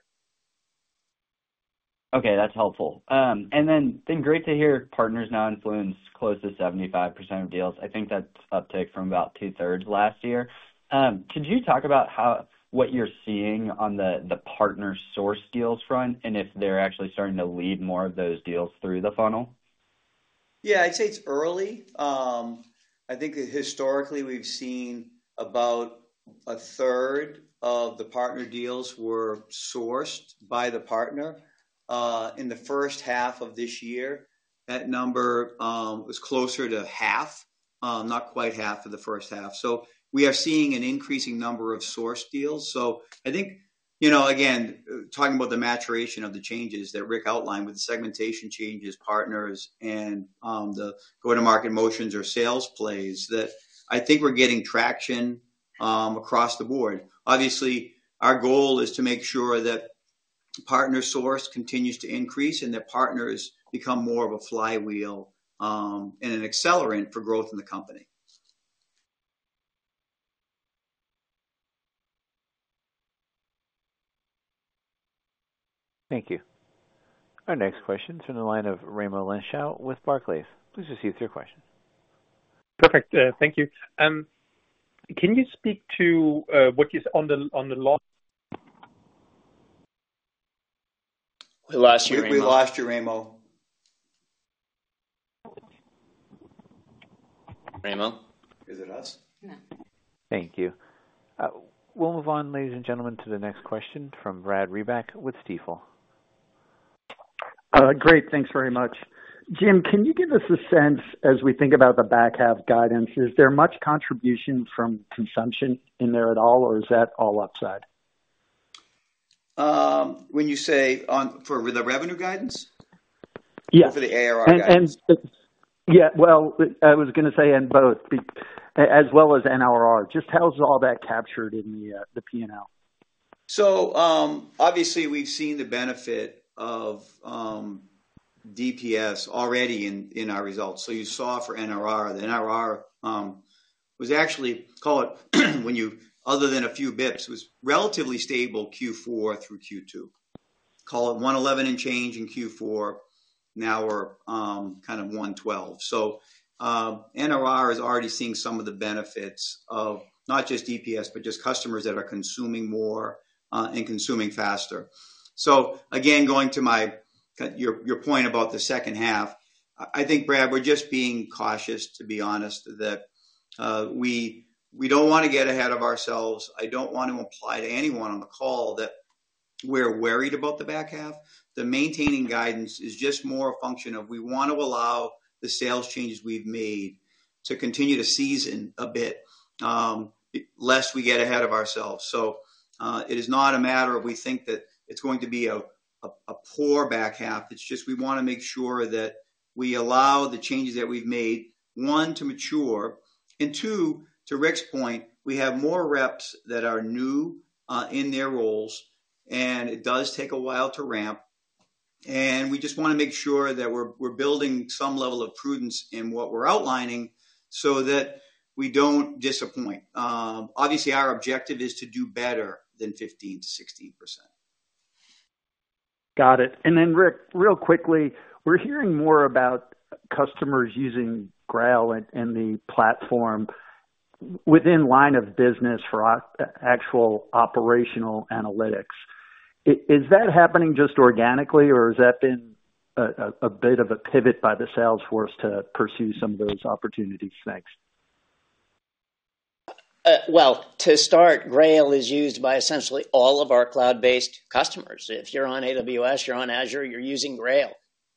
Speaker 8: Okay. That's helpful. And then great to hear partners now influence close to 75% of deals. I think that's an uptick from about two-thirds last year. Could you talk about what you're seeing on the partner source deals front and if they're actually starting to lead more of those deals through the funnel?
Speaker 4: Yeah. I'd say it's early. I think historically, we've seen about a third of the partner deals were sourced by the partner. In the first half of this year, that number was closer to half, not quite half of the first half. So we are seeing an increasing number of source deals. So I think, again, talking about the maturation of the changes that Rick outlined with the segmentation changes, partners, and the go-to-market motions or sales plays, that I think we're getting traction across the board. Obviously, our goal is to make sure that partner source continues to increase and that partners become more of a flywheel and an accelerant for growth in the company.
Speaker 8: Thank you.
Speaker 1: Our next question is from the line of Raimo Lenschow with Barclays. Please proceed with your question.
Speaker 9: Perfect. Thank you. Can you speak to what is on the log?
Speaker 4: We lost you, Raimo.
Speaker 3: We lost you, Raimo. Raimo?
Speaker 1: Is it us?
Speaker 2: No.
Speaker 1: Thank you. We'll move on, ladies and gentlemen, to the next question from Brad Reback with Stifel.
Speaker 10: Great. Thanks very much. Jim, can you give us a sense as we think about the back half guidance? Is there much contribution from consumption in there at all, or is that all upside?
Speaker 4: When you say for the revenue guidance?
Speaker 10: Yeah.
Speaker 4: Or for the ARR guidance?
Speaker 10: Yeah. Well, I was going to say in both as well as NRR. Just how's all that captured in the P&L?
Speaker 4: So obviously, we've seen the benefit of DPS already in our results. So you saw for NRR. The NRR was actually, call it, other than a few basis points, it was relatively stable Q4 through Q2. Call it 111 and change in Q4. Now we're kind of 112. So NRR is already seeing some of the benefits of not just DPS, but just customers that are consuming more and consuming faster. So again, going to your point about the second half, I think, Brad, we're just being cautious, to be honest, that we don't want to get ahead of ourselves. I don't want to imply to anyone on the call that we're worried about the back half. The maintaining guidance is just more a function of we want to allow the sales changes we've made to continue to season a bit lest we get ahead of ourselves. So it is not a matter of we think that it's going to be a poor back half. It's just we want to make sure that we allow the changes that we've made, one, to mature. And two, to Rick's point, we have more reps that are new in their roles, and it does take a while to ramp. And we just want to make sure that we're building some level of prudence in what we're outlining so that we don't disappoint. Obviously, our objective is to do better than 15%-16%.
Speaker 10: Got it. And then, Rick, real quickly, we're hearing more about customers using Grail and the platform within line of business for actual operational analytics. Is that happening just organically, or has that been a bit of a pivot by the sales force to pursue some of those opportunities next?
Speaker 3: Well, to start, Grail is used by essentially all of our cloud-based customers. If you're on AWS, you're on Azure, you're using Grail.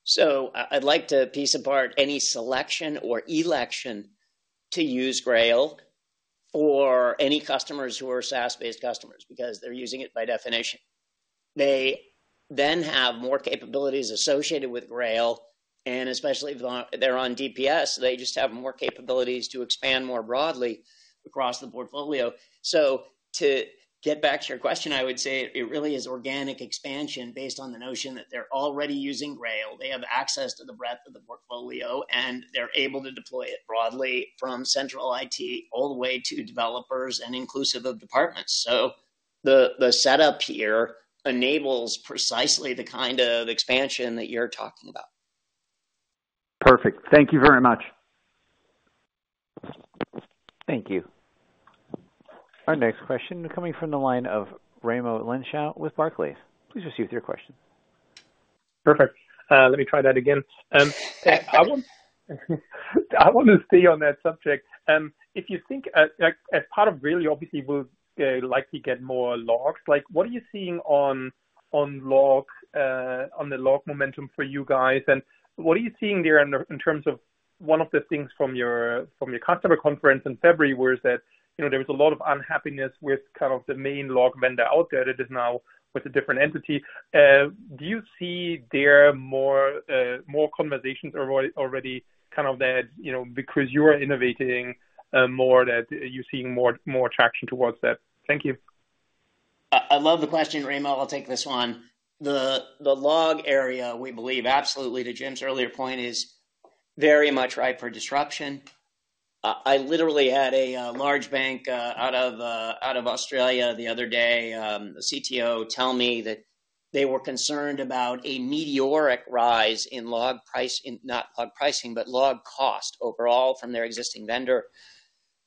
Speaker 3: So I'd like to tease apart any selection or election to use Grail for any customers who are SaaS-based customers because they're using it by definition. They then have more capabilities associated with Grail. And especially if they're on DPS, they just have more capabilities to expand more broadly across the portfolio. So to get back to your question, I would say it really is organic expansion based on the notion that they're already using Grail. They have access to the breadth of the portfolio, and they're able to deploy it broadly from central IT all the way to developers and inclusive of departments. So the setup here enables precisely the kind of expansion that you're talking about.
Speaker 10: Perfect. Thank you very much. Thank you.
Speaker 1: Our next question coming from the line of Raimo Lenschow with Barclays. Please proceed with your question.
Speaker 9: Perfect. Let me try that again. I want to stay on that subject. If you think as part of really, obviously, we'll likely get more logs. What are you seeing on the log momentum for you guys? And what are you seeing there in terms of one of the things from your customer conference in February? That was that there was a lot of unhappiness with kind of the main log vendor out there that is now with a different entity. Do you see there more conversations already kind of that because you're innovating more that you're seeing more traction towards that? Thank you.
Speaker 3: I love the question, Raimo. I'll take this one. The log area, we believe, absolutely to Jim's earlier point, is very much ripe for disruption. I literally had a large bank out of Australia the other day, the CTO tell me that they were concerned about a meteoric rise in log pricing, not log pricing, but log cost overall from their existing vendor.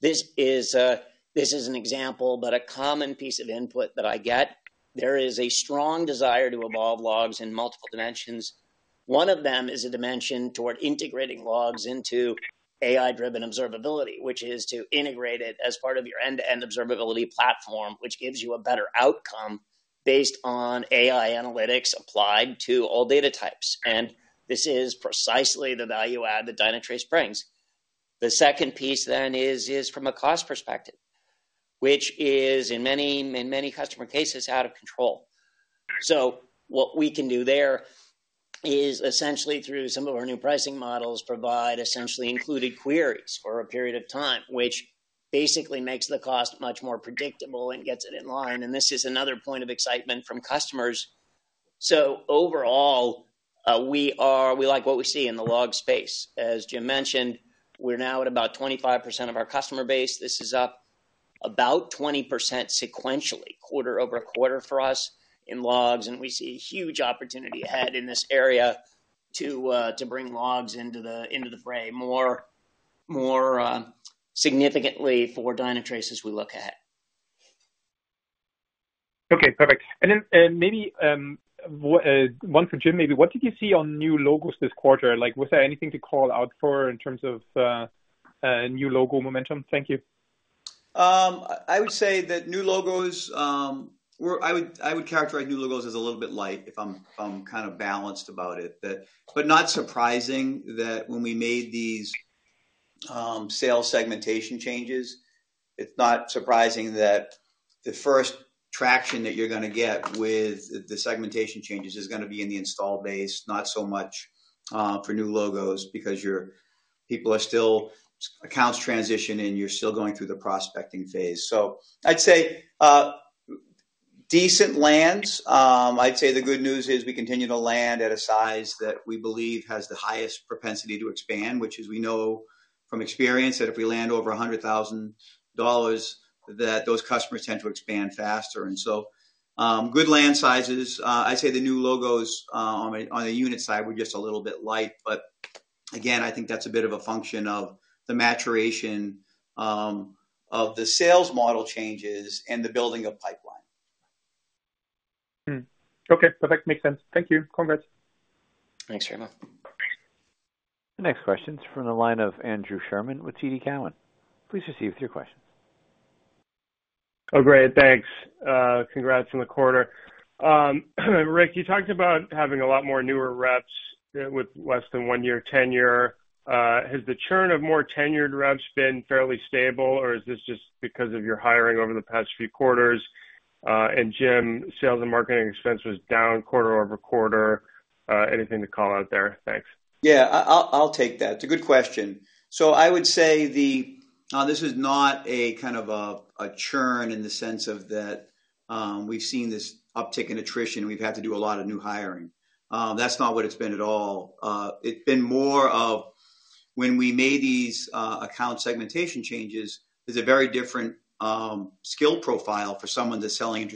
Speaker 3: This is an example, but a common piece of input that I get. There is a strong desire to evolve logs in multiple dimensions. One of them is a dimension toward integrating logs into AI-driven observability, which is to integrate it as part of your end-to-end observability platform, which gives you a better outcome based on AI analytics applied to all data types. And this is precisely the value add that Dynatrace brings. The second piece then is from a cost perspective, which is in many customer cases out of control. So what we can do there is essentially through some of our new pricing models provide essentially included queries for a period of time, which basically makes the cost much more predictable and gets it in line. And this is another point of excitement from customers. So overall, we like what we see in the log space. As Jim mentioned, we're now at about 25% of our customer base. This is up about 20% sequentially, quarter over quarter for us in logs, and we see a huge opportunity ahead in this area to bring logs into the fray more significantly for Dynatrace as we look ahead.
Speaker 9: Okay. Perfect, and then maybe one for Jim, maybe. What did you see on new logos this quarter? Was there anything to call out for in terms of new logo momentum? Thank you.
Speaker 4: I would say that new logos, I would characterize new logos as a little bit light if I'm kind of balanced about it, but not surprising that when we made these sales segmentation changes, it's not surprising that the first traction that you're going to get with the segmentation changes is going to be in the install base, not so much for new logos because people are still accounts transition and you're still going through the prospecting phase. So I'd say decent lands. I'd say the good news is we continue to land at a size that we believe has the highest propensity to expand, which is we know from experience that if we land over $100,000, that those customers tend to expand faster. And so good land sizes. I'd say the new logos on the unit side were just a little bit light. But again, I think that's a bit of a function of the maturation of the sales model changes and the building of pipeline.
Speaker 9: Okay. Perfect. Makes sense. Thank you. Congrats.
Speaker 4: Thanks, Raimo.
Speaker 1: The next question is from the line of Andrew Sherman with TD Cowen. Please proceed with your questions.
Speaker 11: Oh, great. Thanks. Congrats in the quarter. Rick, you talked about having a lot more newer reps with less than one-year tenure. Has the churn of more tenured reps been fairly stable, or is this just because of your hiring over the past few quarters? And Jim, sales and marketing expense was down quarter over quarter. Anything to call out there? Thanks.
Speaker 3: Yeah. I'll take that. It's a good question. So I would say this is not a kind of a churn in the sense of that we've seen this uptick in attrition. We've had to do a lot of new hiring. That's not what it's been at all. It's been more of when we made these account segmentation changes. It's a very different skill profile for someone that's selling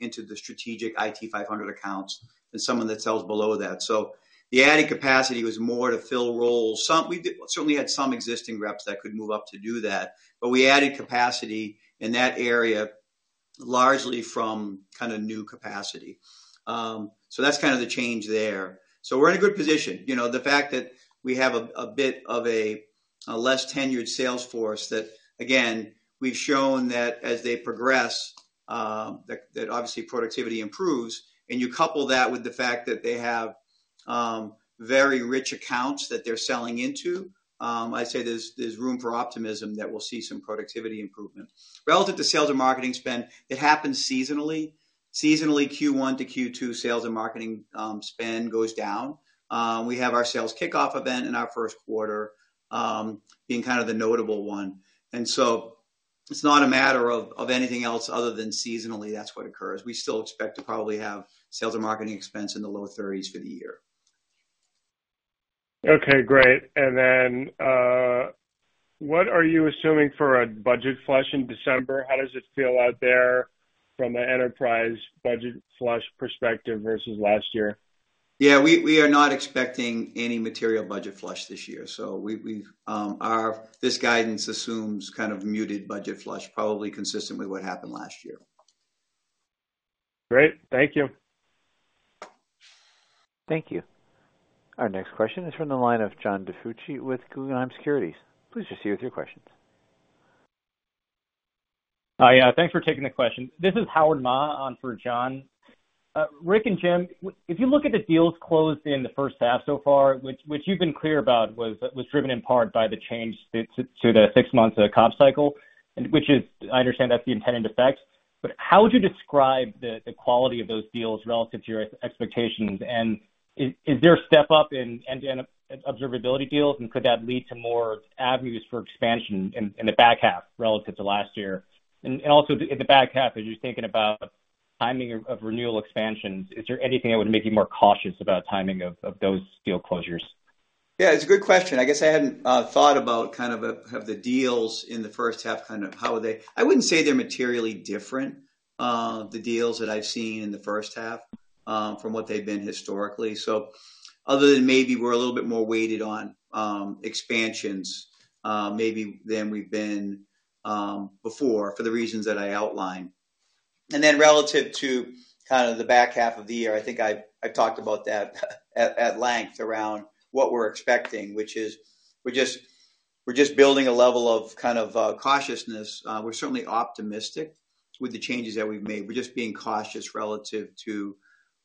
Speaker 3: into the strategic IT 500 accounts than someone that sells below that. So the added capacity was more to fill roles. We certainly had some existing reps that could move up to do that. But we added capacity in that area largely from kind of new capacity. So that's kind of the change there. So we're in a good position. The fact that we have a bit of a less tenured sales force that, again, we've shown that as they progress, that obviously productivity improves. And you couple that with the fact that they have very rich accounts that they're selling into. I'd say there's room for optimism that we'll see some productivity improvement. Relative to sales and marketing spend, it happens seasonally. Seasonally, Q1 to Q2, sales and marketing spend goes down. We have our sales kickoff event in our first quarter being kind of the notable one. And so it's not a matter of anything else other than seasonally, that's what occurs. We still expect to probably have sales and marketing expense in the low 30s for the year.
Speaker 11: Okay. Great. And then what are you assuming for a budget flush in December? How does it feel out there from an enterprise budget flush perspective versus last year?
Speaker 3: Yeah. We are not expecting any material budget flush this year. So this guidance assumes kind of muted budget flush, probably consistent with what happened last year.
Speaker 11: Great. Thank you.
Speaker 1: Thank you. Our next question is from the line of John DiFucci with Guggenheim Securities. Please proceed with your questions.
Speaker 12: Hi. Thanks for taking the question. This is Howard Ma on for John. Rick and Jim, if you look at the deals closed in the first half so far, which you've been clear about was driven in part by the change to the six-month comp cycle, which is I understand that's the intended effect. But how would you describe the quality of those deals relative to your expectations? Is there a step up in observability deals, and could that lead to more avenues for expansion in the back half relative to last year? Also in the back half, as you're thinking about timing of renewal expansions, is there anything that would make you more cautious about timing of those deal closures?
Speaker 4: Yeah. It's a good question. I guess I hadn't thought about kind of the deals in the first half, kind of how they I wouldn't say they're materially different, the deals that I've seen in the first half from what they've been historically. So other than maybe we're a little bit more weighted on expansions, maybe than we've been before for the reasons that I outlined. And then relative to kind of the back half of the year, I think I've talked about that at length around what we're expecting, which is we're just building a level of kind of cautiousness. We're certainly optimistic with the changes that we've made. We're just being cautious relative to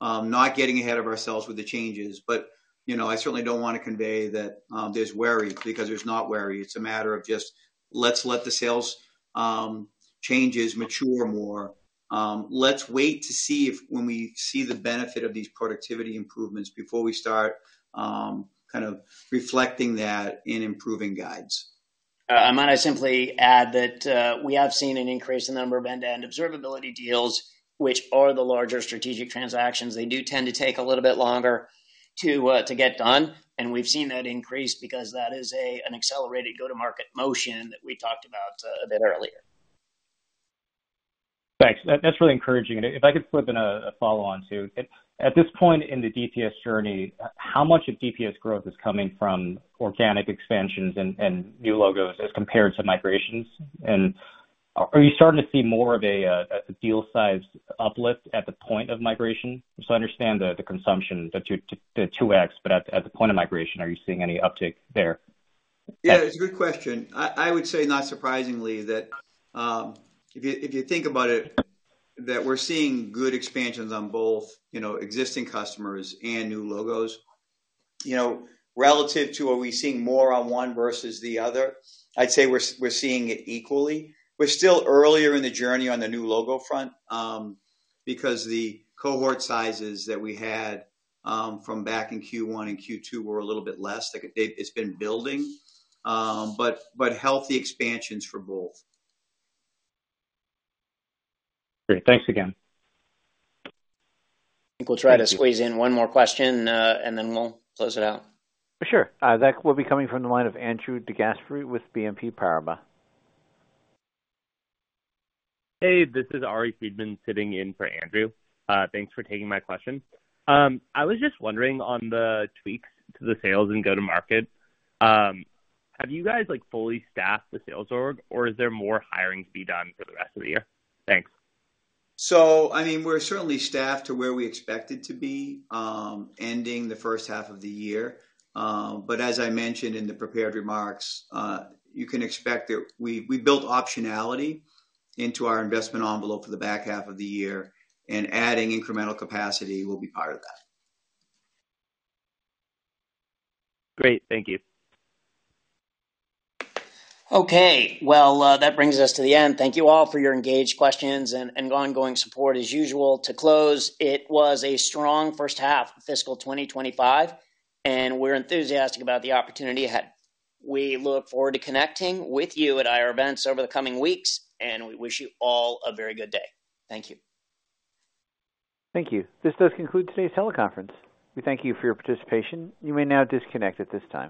Speaker 4: not getting ahead of ourselves with the changes. But I certainly don't want to convey that there's worry because there's not worry. It's a matter of just let's let the sales changes mature more. Let's wait to see when we see the benefit of these productivity improvements before we start kind of reflecting that in improving guides.
Speaker 3: I might simply add that we have seen an increase in the number of end-to-end observability deals, which are the larger strategic transactions. They do tend to take a little bit longer to get done. We've seen that increase because that is an accelerated go-to-market motion that we talked about a bit earlier.
Speaker 12: Thanks. That's really encouraging. If I could flip in a follow-on too. At this point in the DPS journey, how much of DPS growth is coming from organic expansions and new logos as compared to migrations? And are you starting to see more of a deal size uplift at the point of migration? So I understand the consumption to 2x, but at the point of migration, are you seeing any uptick there?
Speaker 3: Yeah. It's a good question. I would say not surprisingly that if you think about it, that we're seeing good expansions on both existing customers and new logos. Relative to are we seeing more on one versus the other? I'd say we're seeing it equally. We're still earlier in the journey on the new logo front because the cohort sizes that we had from back in Q1 and Q2 were a little bit less. It's been building, but healthy expansions for both.
Speaker 12: Great. Thanks again.
Speaker 3: I think we'll try to squeeze in one more question, and then we'll close it out.
Speaker 1: Sure. That will be coming from the line of Andrew DeGasperi with BNP Paribas.
Speaker 13: Hey, this is Ari Friedman sitting in for Andrew. Thanks for taking my question. I was just wondering on the tweaks to the sales and go-to-market. Have you guys fully staffed the sales org, or is there more hiring to be done for the rest of the year? Thanks.
Speaker 4: So I mean, we're certainly staffed to where we expected to be ending the first half of the year. But as I mentioned in the prepared remarks, you can expect that we built optionality into our investment envelope for the back half of the year, and adding incremental capacity will be part of that.
Speaker 13: Great. Thank you.
Speaker 3: Okay. Well, that brings us to the end. Thank you all for your engaged questions and ongoing support as usual. To close, it was a strong first half of fiscal 2025, and we're enthusiastic about the opportunity ahead. We look forward to connecting with you at IR events over the coming weeks, and we wish you all a very good day. Thank you.
Speaker 1: Thank you. This does conclude today's teleconference. We thank you for your participation. You may now disconnect at this time.